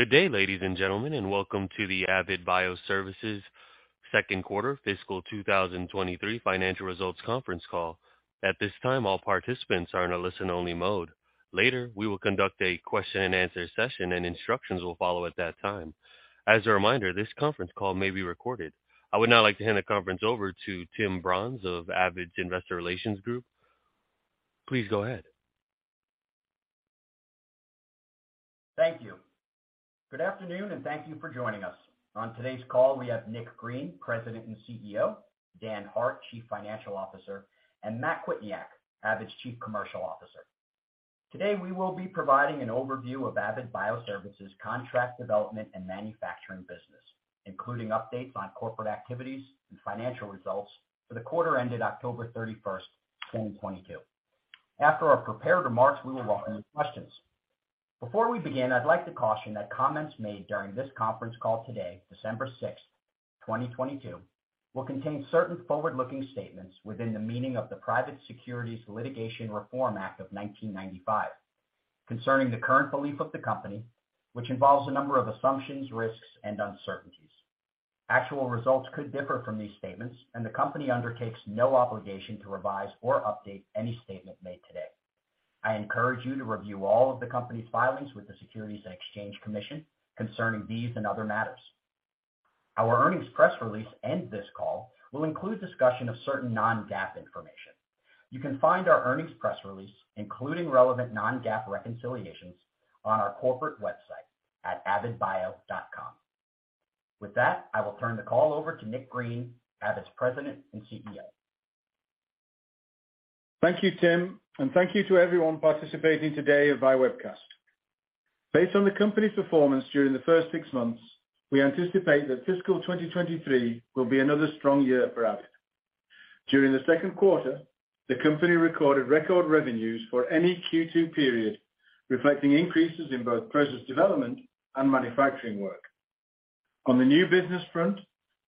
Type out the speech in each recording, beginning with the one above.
Good day, ladies and gentlemen, and welcome to the Avid Bioservices Q2 fiscal 2023 financial results conference call. At this time, all participants are in a listen-only mode. Later, we will conduct a question-and-answer session, and instructions will follow at that time. As a reminder, this conference call may be recorded. I would now like to hand the conference over to Tim Brons of Avid's Investor Relations Group. Please go ahead. Thank you. Good afternoon, and thank you for joining us. On today's call, we have Nick Green, President and CEO, Dan Hart, Chief Financial Officer, and Matt Kwietniak, Avid's Chief Commercial Officer. Today, we will be providing an overview of Avid Bioservices' contract development and manufacturing business, including updates on corporate activities and financial results for the quarter ended October 31st, 2022. After our prepared remarks, we will welcome questions. Before we begin, I'd like to caution that comments made during this conference call today, December 6, 2022, will contain certain forward-looking statements within the meaning of the Private Securities Litigation Reform Act of 1995 concerning the current belief of the company, which involves a number of assumptions, risks and uncertainties. Actual results could differ from these statements, and the company undertakes no obligation to revise or update any statement made today. I encourage you to review all of the company's filings with the Securities and Exchange Commission concerning these and other matters. Our earnings press release and this call will include discussion of certain non-GAAP information. You can find our earnings press release, including relevant non-GAAP reconciliations, on our corporate website at avidbio.com. With that, I will turn the call over to Nick Green, Avid's President and CEO. Thank you, Tim, and thank you to everyone participating today via webcast. Based on the company's performance during the first six months, we anticipate that fiscal 2023 will be another strong year for Avid. During the Q2, the company recorded record revenues for any Q2 period, reflecting increases in both process development and manufacturing work. On the new business front,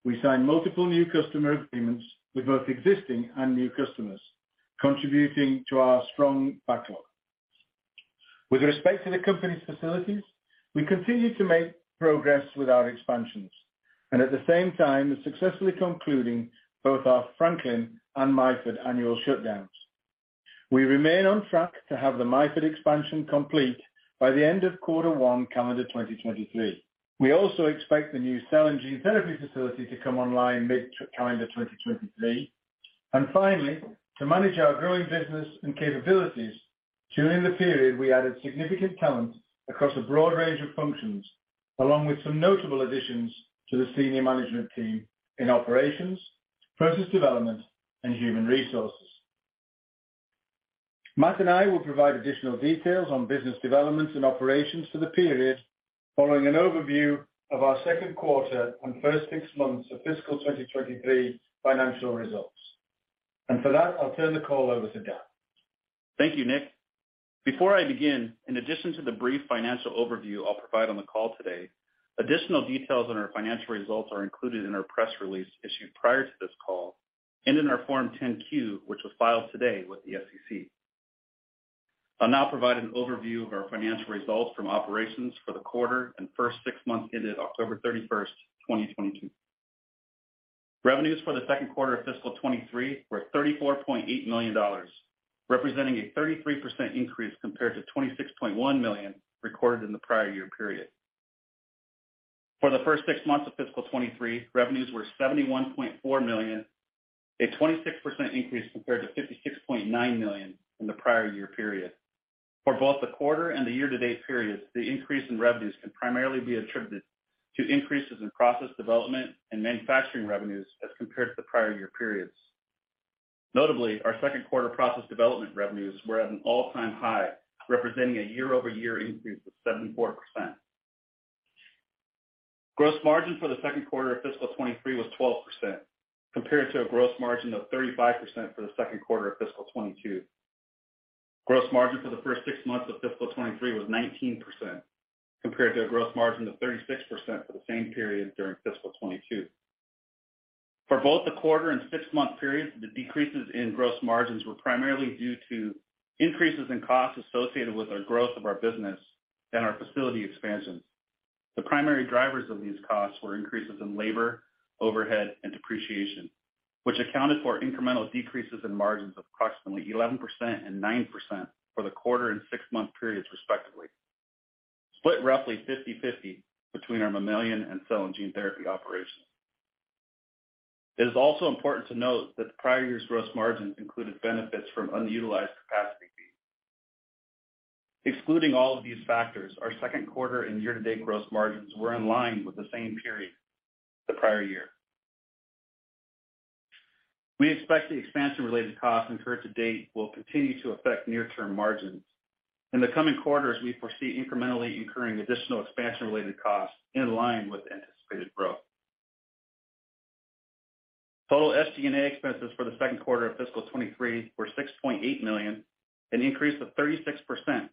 we signed multiple new customer agreements with both existing and new customers, contributing to our strong backlog. With respect to the company's facilities, we continue to make progress with our expansions and at the same time successfully concluding both our Franklin and Myford annual shutdowns. We remain on track to have the Myford expansion complete by the end of quarter one calendar 2023. We also expect the new cell and gene therapy facility to come online mid-calendar 2023. Finally, to manage our growing business and capabilities, during the period, we added significant talent across a broad range of functions, along with some notable additions to the senior management team in operations, process development, and human resources. Matt and I will provide additional details on business developments and operations for the period following an overview of our Q2 and first 6 months of fiscal 2023 financial results. For that, I'll turn the call over to Dan. Thank you, Nick. Before I begin, in addition to the brief financial overview I'll provide on the call today, additional details on our financial results are included in our press release issued prior to this call and in our Form 10-Q, which was filed today with the SEC. I'll now provide an overview of our financial results from operations for the quarter and first six months ended October 31st, 2022. Revenues for the Q2 of fiscal 2023 were $34.8 million, representing a 33% increase compared to $26.1 million recorded in the prior year period. For the first six months of fiscal 2023, revenues were $71.4 million, a 26% increase compared to $56.9 million in the prior year period. For both the quarter and the year-to-date periods, the increase in revenues can primarily be attributed to increases in process development and manufacturing revenues as compared to the prior year periods. Notably, our Q2 process development revenues were at an all-time high, representing a year-over-year increase of 74%. Gross margin for the Q2 of fiscal 23 was 12%, compared to a gross margin of 35% for the Q2 of fiscal 22. Gross margin for the first six months of fiscal 23 was 19%, compared to a gross margin of 36% for the same period during fiscal 22. For both the quarter and six-month periods, the decreases in gross margins were primarily due to increases in costs associated with our growth of our business and our facility expansions. The primary drivers of these costs were increases in labor, overhead, and depreciation, which accounted for incremental decreases in margins of approximately 11% and 9% for the quarter and six-month periods, respectively, split roughly 50/50 between our mammalian and cell and gene therapy operations. It is also important to note that the prior year's gross margins included benefits from unutilized capacity. Excluding all of these factors, our Q2 and year-to-date gross margins were in line with the same period the prior year. We expect the expansion-related costs incurred to date will continue to affect near-term margins. In the coming quarters, we foresee incrementally incurring additional expansion-related costs in line with anticipated growth. Total SG&A expenses for the Q2 of fiscal 23 were $6.8 million, an increase of 36%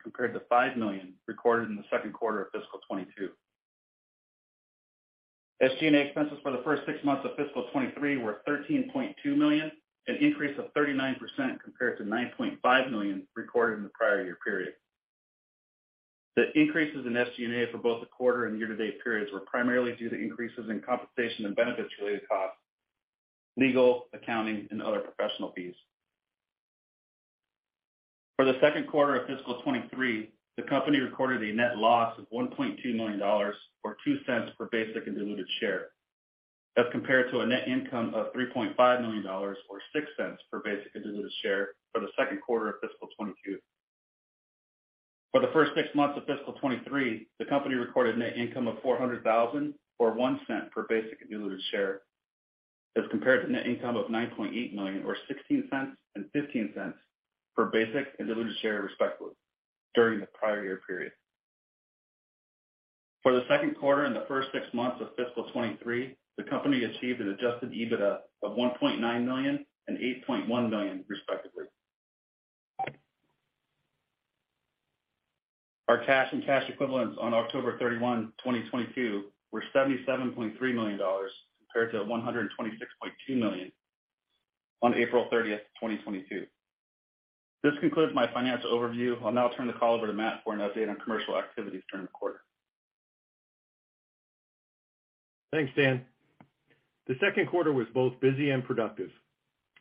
compared to $5 million recorded in the Q2 of fiscal 22. SG&A expenses for the first six months of fiscal 23 were $13.2 million, an increase of 39% compared to $9.5 million recorded in the prior year period. The increases in SG&A for both the quarter and year-to-date periods were primarily due to increases in compensation and benefits-related costs, legal, accounting, and other professional fees. For the Q2 of fiscal 23, the company recorded a net loss of $1.2 million or $0.02 per basic and diluted share, as compared to a net income of $3.5 million or $0.06 per basic and diluted share for the Q2 of fiscal 22. For the first six months of fiscal 2023, the company recorded net income of $400,000 or $0.01 per basic and diluted share, as compared to net income of $9.8 million or $0.16 and $0.15 per basic and diluted share, respectively, during the prior year period. For the Q2 and the first six months of fiscal 2023, the company achieved an adjusted EBITDA of $1.9 million and $8.1 million, respectively. Our cash and cash equivalents on October 31, 2022 were $77.3 million compared to $126.2 million on April 30, 2022. This concludes my financial overview. I'll now turn the call over to Matt for an update on commercial activities during the quarter. Thanks, Dan. The Q2 was both busy and productive.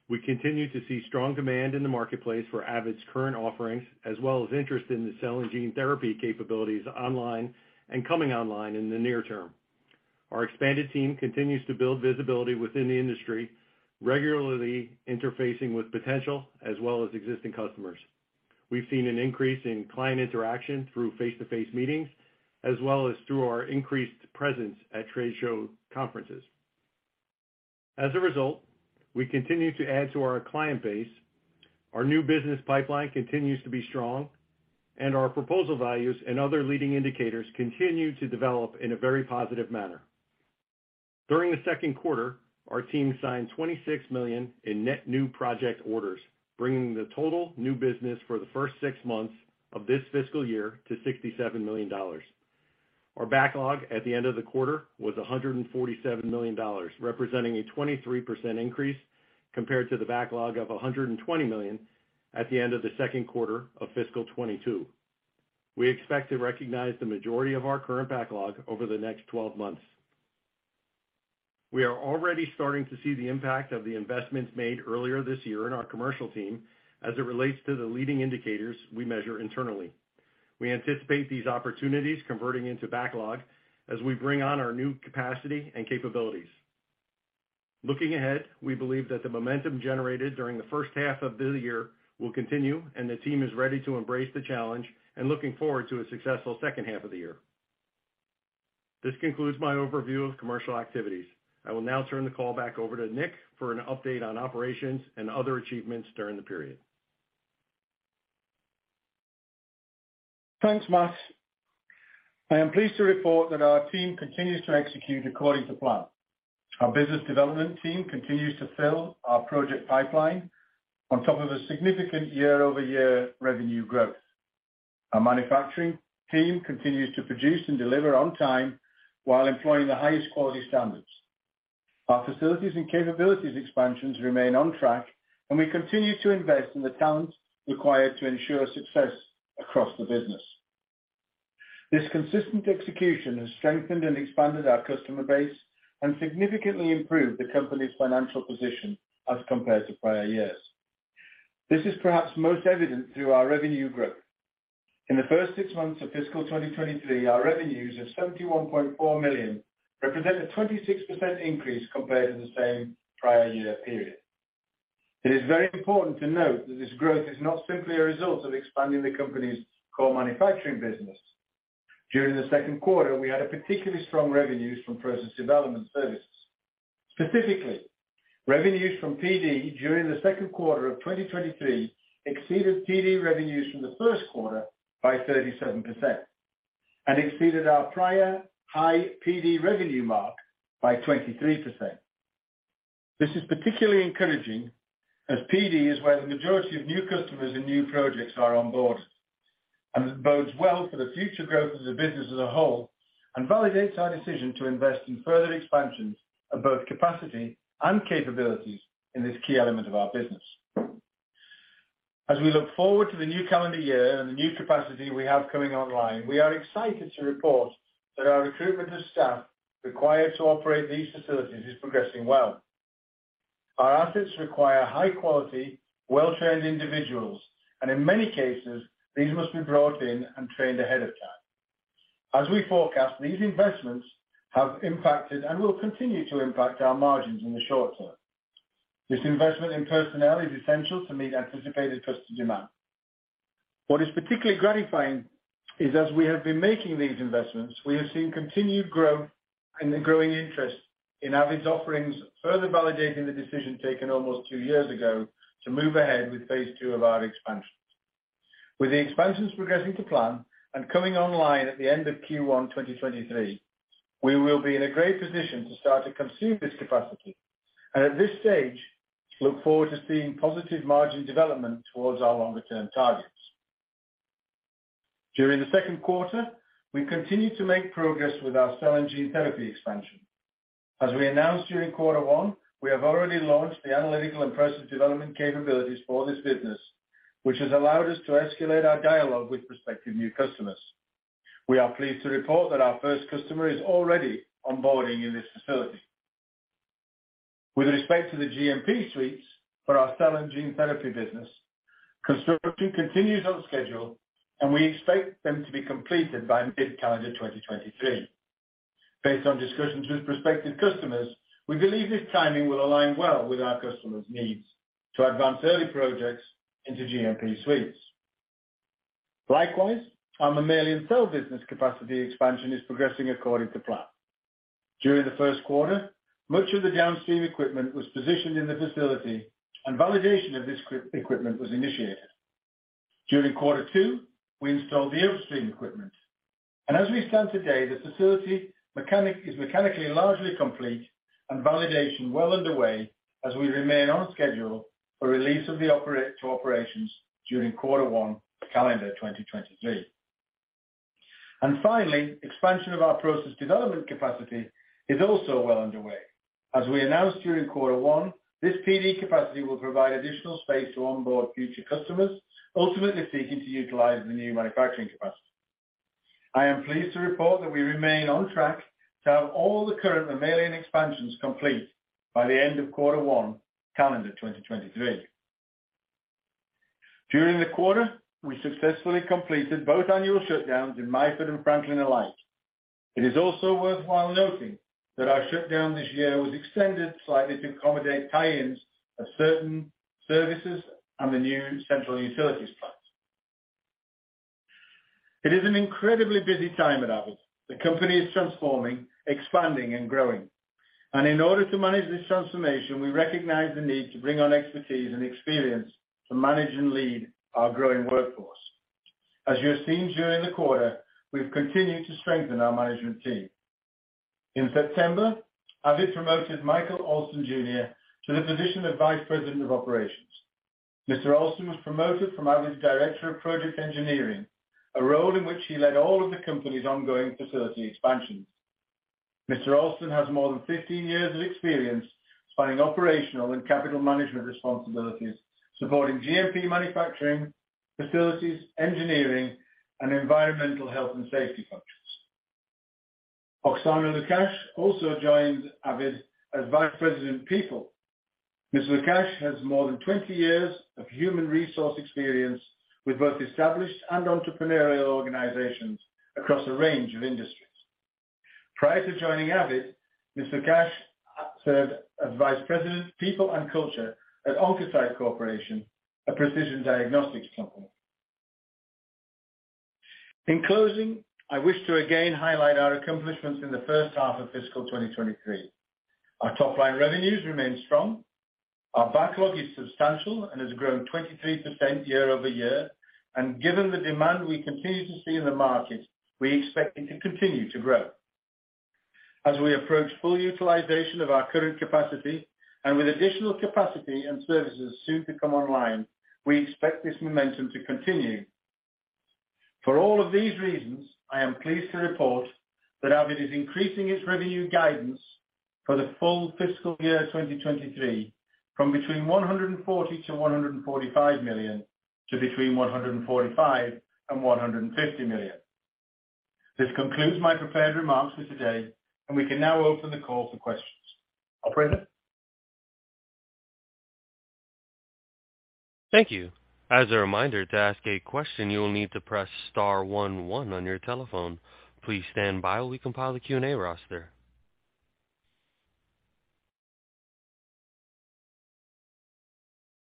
We continued to see strong demand in the marketplace for Avid's current offerings, as well as interest in the cell and gene therapy capabilities online and coming online in the near term. Our expanded team continues to build visibility within the industry, regularly interfacing with potential as well as existing customers. We've seen an increase in client interaction through face-to-face meetings, as well as through our increased presence at trade show conferences. As a result, we continue to add to our client base. Our new business pipeline continues to be strong, and our proposal values and other leading indicators continue to develop in a very positive manner. During the Q2, our team signed $26 million in net new project orders, bringing the total new business for the first six months of this fiscal year to $67 million. Our backlog at the end of the quarter was $147 million, representing a 23% increase compared to the backlog of $120 million at the end of the Q2 of fiscal 2022. We expect to recognize the majority of our current backlog over the next 12 months. We are already starting to see the impact of the investments made earlier this year in our commercial team as it relates to the leading indicators we measure internally. We anticipate these opportunities converting into backlog as we bring on our new capacity and capabilities. Looking ahead, we believe that the momentum generated during the first half of this year will continue, and the team is ready to embrace the challenge and looking forward to a successful H2 of the year. This concludes my overview of commercial activities. I will now turn the call back over to Nick for an update on operations and other achievements during the period. Thanks, Matt. I am pleased to report that our team continues to execute according to plan. Our business development team continues to fill our project pipeline on top of a significant year-over-year revenue growth. Our manufacturing team continues to produce and deliver on time while employing the highest quality standards. Our facilities and capabilities expansions remain on track, and we continue to invest in the talent required to ensure success across the business. This consistent execution has strengthened and expanded our customer base and significantly improved the company's financial position as compared to prior years. This is perhaps most evident through our revenue growth. In the first six months of fiscal 2023, our revenues of $71.4 million represent a 26% increase compared to the same prior year period. It is very important to note that this growth is not simply a result of expanding the company's core manufacturing business. During the Q2, we had a particularly strong revenues from process development services. Specifically, revenues from PD during the Q2 of 2023 exceeded PD revenues from the Q1 by 37% and exceeded our prior high PD revenue mark by 23%. This is particularly encouraging as PD is where the majority of new customers and new projects are on board, and it bodes well for the future growth of the business as a whole and validates our decision to invest in further expansions of both capacity and capabilities in this key element of our business. As we look forward to the new calendar year and the new capacity we have coming online, we are excited to report that our recruitment of staff required to operate these facilities is progressing well. Our assets require high-quality, well-trained individuals, and in many cases, these must be brought in and trained ahead of time. As we forecast, these investments have impacted and will continue to impact our margins in the short term. This investment in personnel is essential to meet anticipated customer demand. What is particularly gratifying is, as we have been making these investments, we have seen continued growth and growing interest in Avid's offerings, further validating the decision taken almost two years ago to move ahead with phase two of our expansions. With the expansions progressing to plan and coming online at the end of Q1 2023, we will be in a great position to start to consume this capacity and at this stage, look forward to seeing positive margin development towards our longer-term targets. During the Q2, we continued to make progress with our cell and gene therapy expansion. As we announced during quarter one, we have already launched the analytical and process development capabilities for this business, which has allowed us to escalate our dialogue with prospective new customers. We are pleased to report that our first customer is already onboarding in this facility. With respect to the GMP suites for our cell and gene therapy business, construction continues on schedule, and we expect them to be completed by mid-calendar 2023. Based on discussions with prospective customers, we believe this timing will align well with our customers' needs to advance early projects into GMP suites. Likewise, our mammalian cell business capacity expansion is progressing according to plan. During the Q1, much of the downstream equipment was positioned in the facility and validation of this equipment was initiated. During quarter two, we installed the upstream equipment. As we stand today, the facility is mechanically largely complete and validation well underway as we remain on schedule for release to operations during quarter one, calendar 2023. Finally, expansion of our process development capacity is also well underway. As we announced during quarter one, this PD capacity will provide additional space to onboard future customers, ultimately seeking to utilize the new manufacturing capacity. I am pleased to report that we remain on track to have all the current mammalian expansions complete by the end of quarter one, calendar 2023. During the quarter, we successfully completed both annual shutdowns in Myford and Franklin alike. It is also worthwhile noting that our shutdown this year was extended slightly to accommodate tie-ins of certain services and the new central utilities plant. It is an incredibly busy time at Avid. The company is transforming, expanding and growing. In order to manage this transformation, we recognize the need to bring on expertise and experience to manage and lead our growing workforce. As you have seen during the quarter, we've continued to strengthen our management team. In September, Avid promoted Michael Olson Jr. to the position of Vice President of Operations. Mr. Olson was promoted from Avid's director of project engineering, a role in which he led all of the company's ongoing facility expansions. Mr. Olson has more than 15 years of experience spanning operational and capital management responsibilities, supporting GMP manufacturing, facilities, engineering, and environmental health and safety functions. Oksana Lukash also joined Avid as Vice President, People. Ms. Lukash has more than 20 years of human resource experience with both established and entrepreneurial organizations across a range of industries. Prior to joining Avid, Ms. Lukash served as Vice President, People and Culture at Oncocyte Corporation, a precision diagnostics company. In closing, I wish to again highlight our accomplishments in the first half of fiscal 2023. Our top line revenues remain strong. Our backlog is substantial and has grown 23% year-over-year. Given the demand we continue to see in the market, we expect it to continue to grow. As we approach full utilization of our current capacity and with additional capacity and services soon to come online, we expect this momentum to continue. For all of these reasons, I am pleased to report that Avid is increasing its revenue guidance for the full fiscal year 2023 from between $140 million and $145 million to between $145 million and $150 million. This concludes my prepared remarks for today, and we can now open the call for questions. Operator? Thank you. As a reminder, to ask a question, you will need to press star one one on your telephone. Please stand by while we compile the Q&A roster.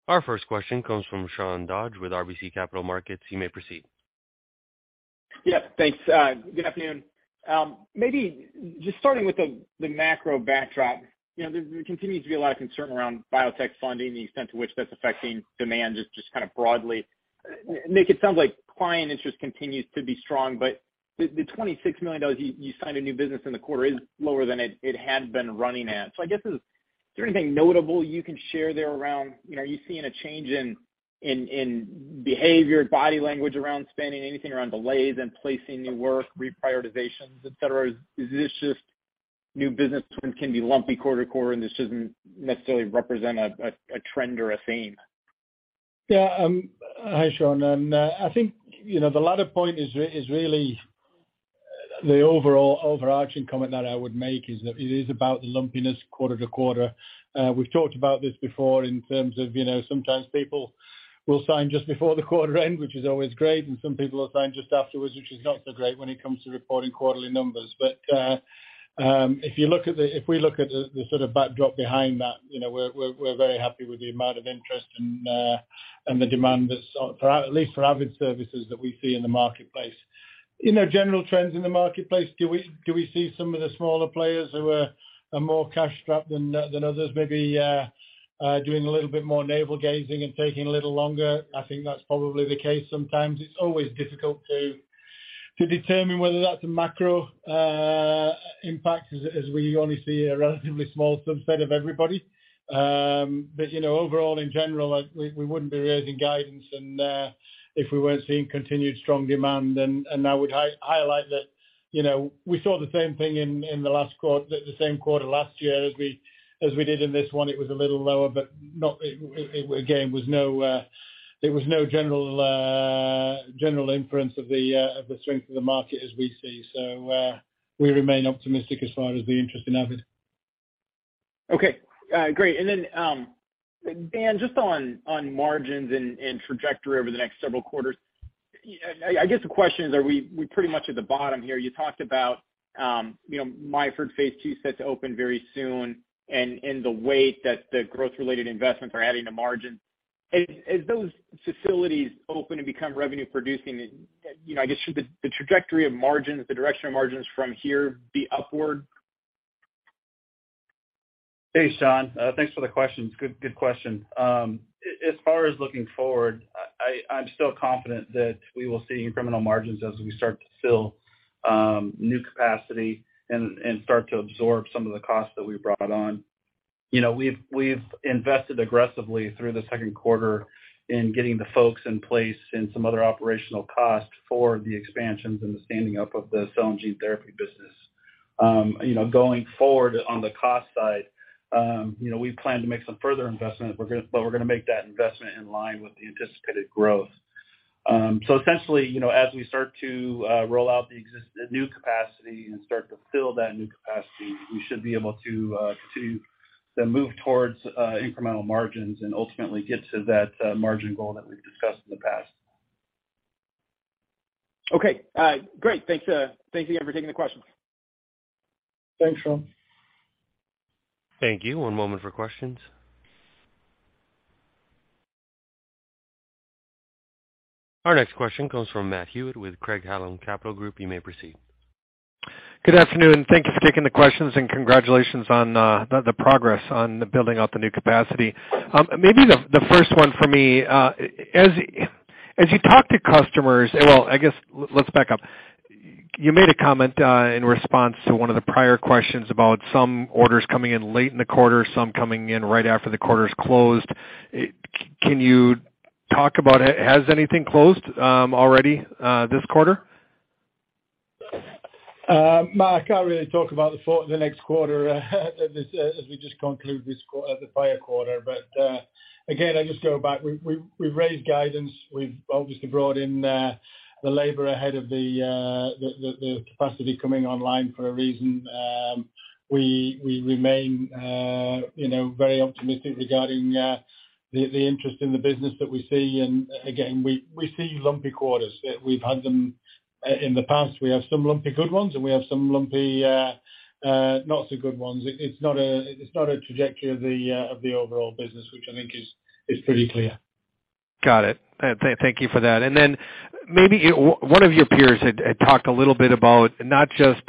Our first question comes from Sean Dodge with RBC Capital Markets. You may proceed. Yeah, thanks. Good afternoon. Maybe just starting with the macro backdrop, you know, there continues to be a lot of concern around biotech funding, the extent to which that's affecting demand, kind of broadly. Nick, it sounds like client interest continues to be strong, but the $26 million you signed a new business in the quarter is lower than it had been running at. I guess, is there anything notable you can share there around, you know, are you seeing a change in behavior, body language around spending, anything around delays in placing new work, reprioritizations, et cetera? Is this just new business can be lumpy quarter to quarter and this doesn't necessarily represent a trend or a theme? Yeah. Hi, Sean. I think, you know, the latter point is really the overall overarching comment that I would make is that it is about the lumpiness quarter to quarter. We've talked about this before in terms of, you know, sometimes people will sign just before the quarter end, which is always great. Some people will sign just afterwards, which is not so great when it comes to reporting quarterly numbers. If we look at the sort of backdrop behind that, you know, we're very happy with the amount of interest and the demand that's for at least for Avid services that we see in the marketplace. You know, general trends in the marketplace, do we see some of the smaller players who are more cash-strapped than others, maybe doing a little bit more navel gazing and taking a little longer? I think that's probably the case sometimes. It's always difficult to To determine whether that's a macro impact as we only see a relatively small subset of everybody. You know, overall, in general, we wouldn't be raising guidance and if we weren't seeing continued strong demand. I would highlight that, you know, we saw the same thing in the last quarter, the same quarter last year as we did in this one. It was a little lower, but not. It again was no, there was no general inference of the strength of the market as we see. We remain optimistic as far as the interest in Avid. Okay. Great. Then, Dan, just on margins and trajectory over the next several quarters. I guess the question is, are we pretty much at the bottom here? You talked about, you know, Myford Phase Two set to open very soon and the weight that the growth-related investments are adding to margin. As those facilities open and become revenue producing, you know, I guess should the trajectory of margins, the direction of margins from here be upward? Hey, Sean, thanks for the questions. Good question. As far as looking forward, I'm still confident that we will see incremental margins as we start to fill new capacity and start to absorb some of the costs that we brought on. You know, we've invested aggressively through the Q2 in getting the folks in place and some other operational costs for the expansions and the standing up of the cell and gene therapy business. You know, going forward on the cost side, you know, we plan to make some further investments, but we're gonna make that investment in line with the anticipated growth. Essentially, you know, as we start to roll out the new capacity and start to fill that new capacity, we should be able to move towards incremental margins and ultimately get to that margin goal that we've discussed in the past. Okay. great. Thanks, thanks again for taking the questions. Thanks, Sean. Thank you. One moment for questions. Our next question comes from Matthew Hewitt with Craig-Hallum Capital Group. You may proceed. Good afternoon. Thank you for taking the questions and congratulations on the progress on the building out the new capacity. Maybe the first one for me, as you talk to customers. Well, I guess let's back up. You made a comment in response to one of the prior questions about some orders coming in late in the quarter, some coming in right after the quarter's closed. Can you talk about has anything closed already this quarter? Mark, I can't really talk about the next quarter, as we just conclude the prior quarter. Again, I just go back. We've raised guidance. We've obviously brought in the labor ahead of the capacity coming online for a reason. We remain, you know, very optimistic regarding the interest in the business that we see. Again, we see lumpy quarters. We've had them in the past. We have some lumpy good ones, and we have some lumpy not so good ones. It's not a trajectory of the overall business, which I think is pretty clear. Got it. Thank you for that. Maybe one of your peers had talked a little bit about not just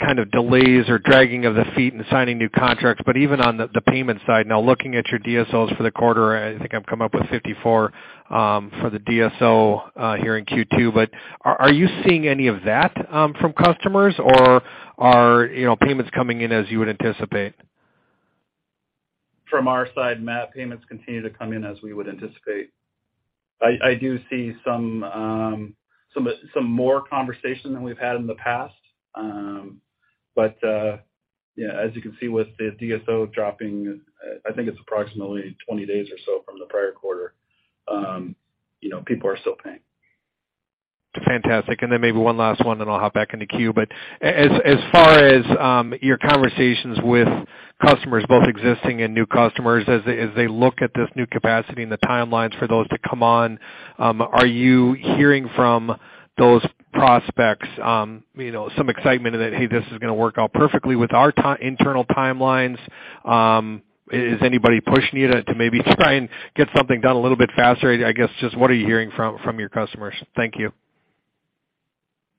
kind of delays or dragging of the feet in signing new contracts, but even on the payment side. Now, looking at your DSOs for the quarter, I think I've come up with 54 for the DSO here in Q2. Are you seeing any of that from customers or are, you know, payments coming in as you would anticipate? From our side, Matt, payments continue to come in as we would anticipate. I do see some more conversation than we've had in the past. Yeah, as you can see with the DSO dropping, I think it's approximately 20 days or so from the prior quarter, you know, people are still paying. Fantastic. Then maybe one last one, then I'll hop back in the queue. As far as your conversations with customers, both existing and new customers, as they look at this new capacity and the timelines for those to come on, are you hearing from those prospects, you know, some excitement that, hey, this is gonna work out perfectly with our internal timelines? Is anybody pushing you to maybe try and get something done a little bit faster? I guess, just what are you hearing from your customers? Thank you.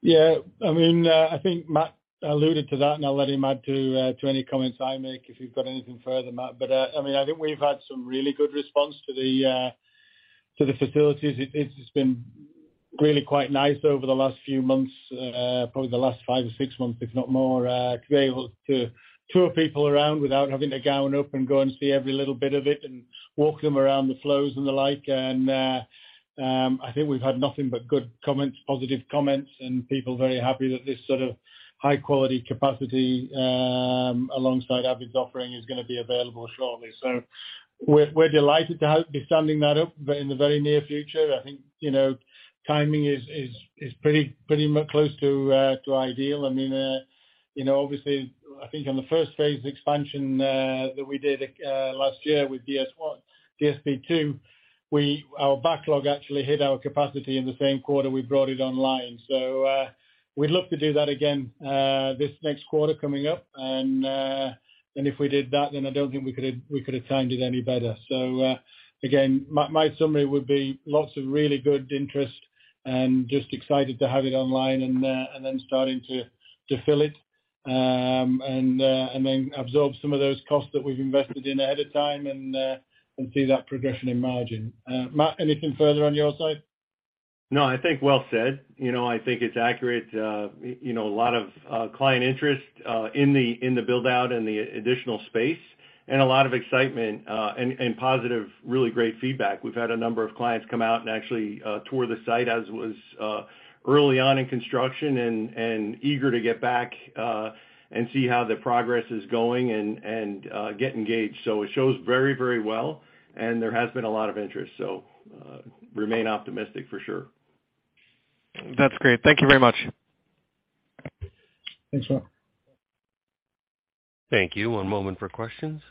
Yeah. I mean, I think Matt alluded to that, and I'll let him add to any comments I make if you've got anything further, Matt. I mean, I think we've had some really good response to the, to the facilities. It's just been really quite nice over the last few months, probably the last five months or six months, if not more, to be able to tour people around without having to gown up and go and see every little bit of it and walk them around the flows and the like. I think we've had nothing but good comments, positive comments, and people very happy that this sort of high-quality capacity, alongside Avid's offering is gonna be available shortly. We're delighted to be standing that up in the very near future. I think, you know, timing is pretty close to ideal. I mean, you know, obviously, I think on the first phase expansion that we did last year with DS1, DSP2, our backlog actually hit our capacity in the same quarter we brought it online. We'd love to do that again this next quarter coming up. If we did that, then I don't think we could've timed it any better. Again, my summary would be lots of really good interest and just excited to have it online and then starting to fill it. Then absorb some of those costs that we've invested in ahead of time and see that progression in margin. Matt, anything further on your side? No, I think well said. You know, I think it's accurate. You know, a lot of client interest, in the, in the build-out and the additional space, and a lot of excitement, and positive, really great feedback. We've had a number of clients come out and actually tour the site as was early on in construction and eager to get back and see how the progress is going and get engaged. It shows very well, and there has been a lot of interest, so, remain optimistic for sure. That's great. Thank you very much. Thanks, Matt. Thank you. One moment for questions.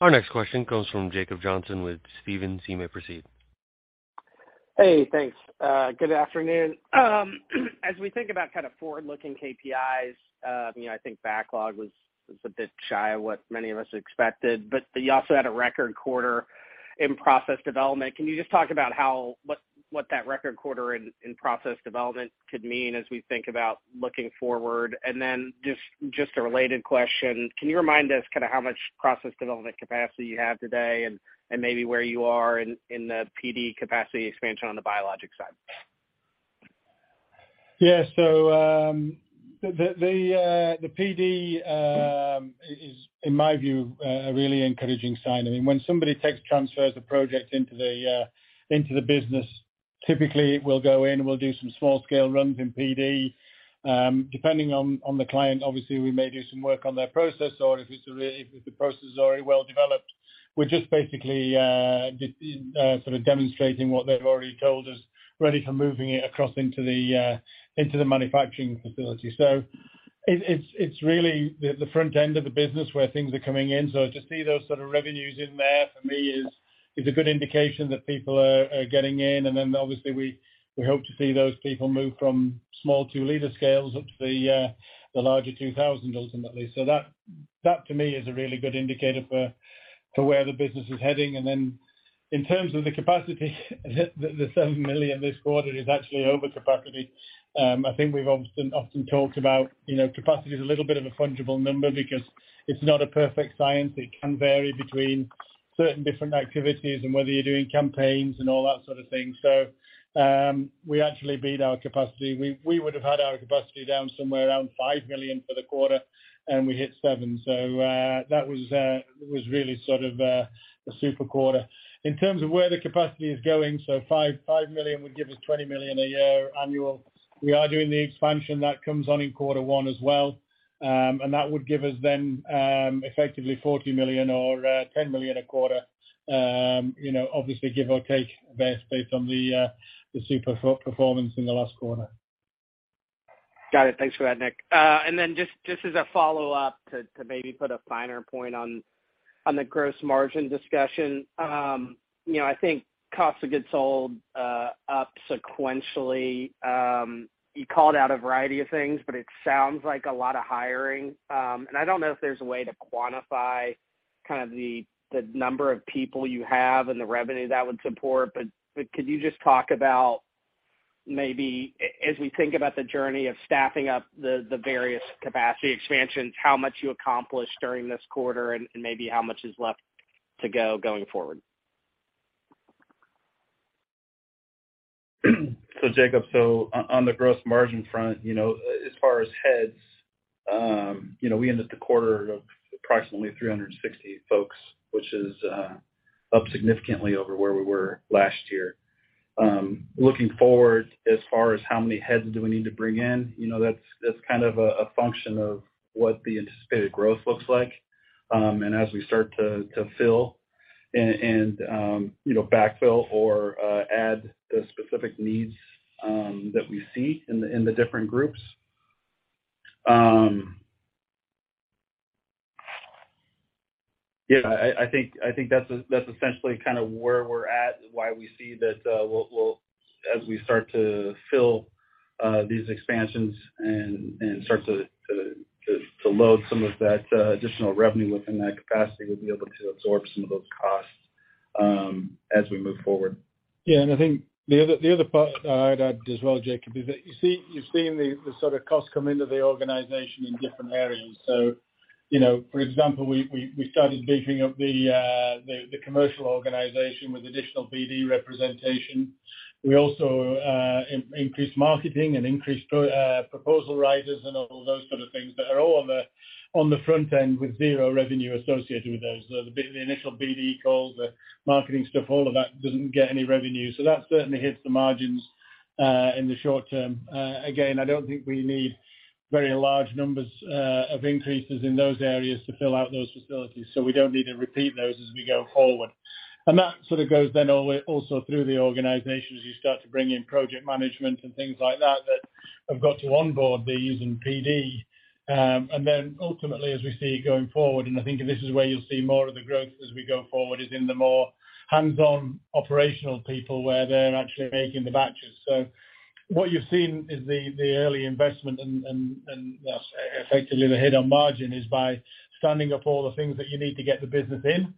Our next question comes from Jacob Johnson with Stephens. You may proceed. Hey, thanks. Good afternoon. As we think about kind of forward-looking KPIs, you know, I think backlog was a bit shy of what many of us expected, but you also had a record quarter in process development. Can you just talk about what that record quarter in process development could mean as we think about looking forward? Just a related question, can you remind us kind of how much process development capacity you have today and maybe where you are in the PD capacity expansion on the biologic side? The PD is in my view, a really encouraging sign. I mean, when somebody transfers a project into the business, typically we'll go in, we'll do some small scale runs in PD. Depending on the client, obviously, we may do some work on their process or if the process is already well developed, we're just basically sort of demonstrating what they've already told us, ready for moving it across into the manufacturing facility. It's really the front end of the business where things are coming in. To see those sort of revenues in there for me is a good indication that people are getting in. Obviously we hope to see those people move from small two-liter scales up to the larger 2,000 ultimately. That to me is a really good indicator for where the business is heading. In terms of the capacity, the $7 million this quarter is actually over capacity. I think we've often talked about, you know, capacity is a little bit of a fungible number because it's not a perfect science. It can vary between certain different activities and whether you're doing campaigns and all that sort of thing. We actually beat our capacity. We would have had our capacity down somewhere around $5 million for the quarter, and we hit seven. That was really sort of a super quarter. In terms of where the capacity is going, 5 million would give us 20 million a year annual. We are doing the expansion that comes on in quarter one as well. That would give us then, effectively 40 million or 10 million a quarter. You know, obviously give or take based on the super performance in the last quarter. Got it. Thanks for that, Nick. Just as a follow-up to maybe put a finer point on the gross margin discussion. You know, I think cost of goods sold up sequentially, you called out a variety of things, but it sounds like a lot of hiring. I don't know if there's a way to quantify kind of the number of people you have and the revenue that would support, but could you just talk about maybe as we think about the journey of staffing up the various capacity expansions, how much you accomplished during this quarter and maybe how much is left to go going forward? Jacob, on the gross margin front, you know, as far as heads, you know, we ended the quarter of approximately 360 folks, which is up significantly over where we were last year. Looking forward as far as how many heads do we need to bring in, you know, that's kind of a function of what the anticipated growth looks like. And as we start to fill and, you know, backfill or add the specific needs that we see in the different groups. Yeah, I think that's essentially kinda where we're at, why we see that, we'll as we start to fill these expansions and start to load some of that additional revenue within that capacity, we'll be able to absorb some of those costs, as we move forward. I think the other, the other part I'd add as well, Jacob, is that you've seen the sort of costs come into the organization in different areas. You know, for example, we started beefing up the commercial organization with additional BD representation. We also increased marketing and increased proposal writers and all those sort of things that are all on the front end with 0 revenue associated with those. The initial BD calls, the marketing stuff, all of that doesn't get any revenue. That certainly hits the margins in the short term. Again, I don't think we need very large numbers of increases in those areas to fill out those facilities, so we don't need to repeat those as we go forward. That sort of goes then also through the organization as you start to bring in project management and things like that have got to onboard these in PD. Ultimately, as we see going forward, and I think this is where you'll see more of the growth as we go forward, is in the more hands-on operational people where they're actually making the batches. What you've seen is the early investment and effectively the hit on margin is by standing up all the things that you need to get the business in.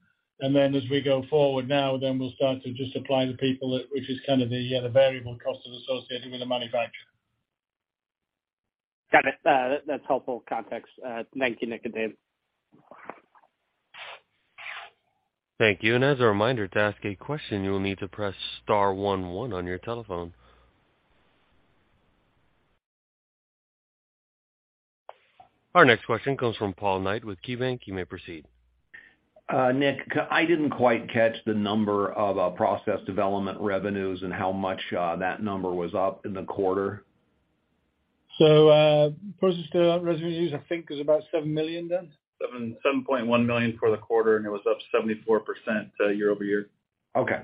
Then as we go forward now, then we'll start to just supply the people, which is kind of the, you know, the variable cost that's associated with the manufacture. Got it. That's helpful context. Thank you, Nick and Dan. Thank you. As a reminder, to ask a question, you will need to press star one one on your telephone. Our next question comes from Paul Knight with KeyBank. You may proceed. Nick, I didn't quite catch the number of process development revenues and how much that number was up in the quarter? process development revenues, I think, is about $7 million, Dan. $7.1 million for the quarter, and it was up 74% year-over-year. Okay.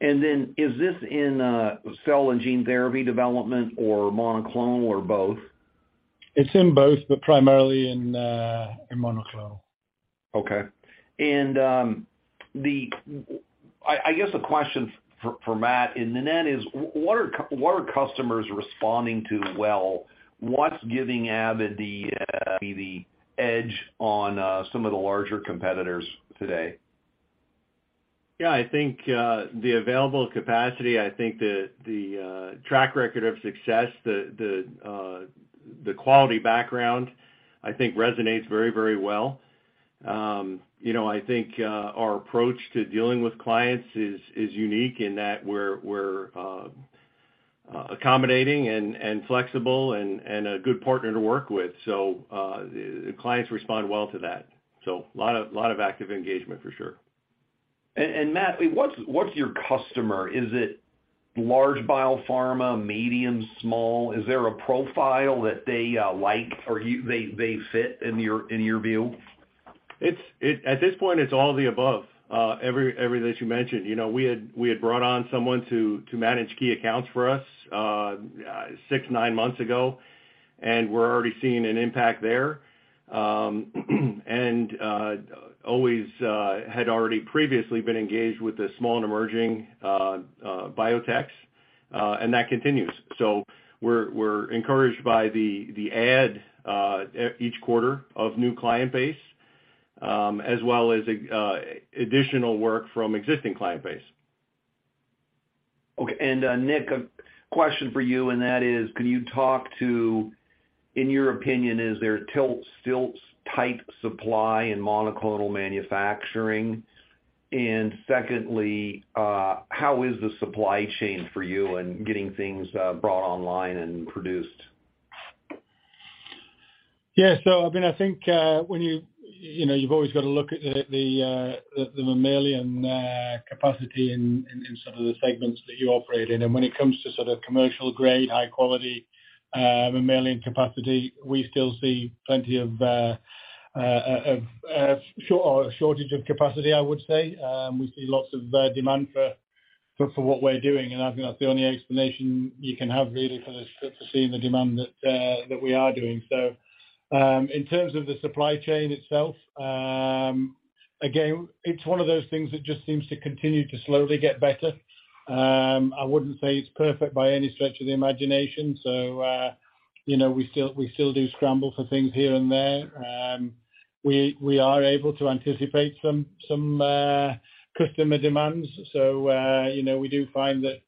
Then is this in cell and gene therapy development or monoclonal or both? It's in both, but primarily in monoclonal. Okay. I guess the question for Matt and then that is, what are customers responding to well? What's giving Avid the maybe edge on some of the larger competitors today? Yeah, I think the available capacity, I think the track record of success, the quality background, I think resonates very, very well. You know, I think our approach to dealing with clients is unique in that we're accommodating and flexible and a good partner to work with. Clients respond well to that. A lot of active engagement for sure. Matt, what's your customer? Is it large biopharma, medium, small? Is there a profile that they like or they fit in your, in your view? At this point, it's all the above, every that you mentioned. You know, we had brought on someone to manage key accounts for us, six months, nine months ago, and we're already seeing an impact there. Always had already previously been engaged with the small and emerging biotechs, and that continues. We're encouraged by the add each quarter of new client base, as well as additional work from existing client base. Okay. Nick, a question for you, and that is, can you talk to... in your opinion, is there stressed type supply in monoclonal manufacturing? Secondly, how is the supply chain for you in getting things brought online and produced? Yeah. I mean, I think, when you know, you've always got to look at the mammalian, capacity in sort of the segments that you operate in. When it comes to sort of commercial grade, high quality, mammalian capacity, we still see plenty of, a shortage of capacity, I would say. We see lots of demand for what we're doing, and I think that's the only explanation you can have really to see the demand that we are doing. In terms of the supply chain itself, again, it's one of those things that just seems to continue to slowly get better. I wouldn't say it's perfect by any stretch of the imagination. You know, we still do scramble for things here and there. We are able to anticipate some customer demands. You know, we do find that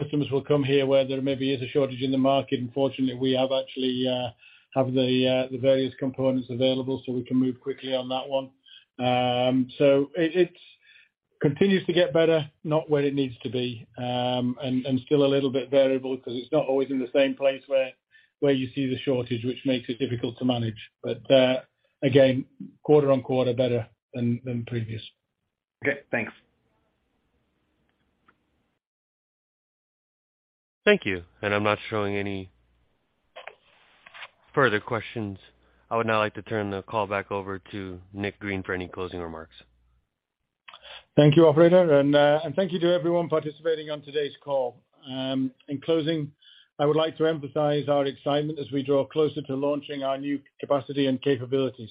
customers will come here where there maybe is a shortage in the market, and fortunately, we actually have the various components available, so we can move quickly on that one. It continues to get better, not where it needs to be, and still a little bit variable because it's not always in the same place where you see the shortage, which makes it difficult to manage. Again, quarter-on-quarter better than previous. Okay. Thanks. Thank you. I'm not showing any further questions. I would now like to turn the call back over to Nicholas Green for any closing remarks. Thank you, operator. Thank you to everyone participating on today's call. In closing, I would like to emphasize our excitement as we draw closer to launching our new capacity and capabilities.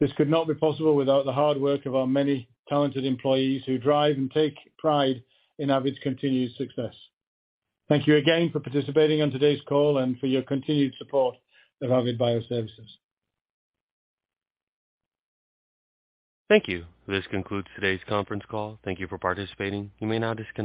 This could not be possible without the hard work of our many talented employees who drive and take pride in Avid's continued success. Thank you again for participating on today's call and for your continued support of Avid Bioservices. Thank you. This concludes today's conference call. Thank you for participating. You may now disconnect.